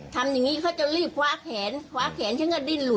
ทำอย่างนี้เขาจะรีบคว้าแขนคว้าแขนฉันก็ดิ้นหลุด